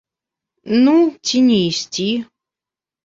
Ну, ці не ісці.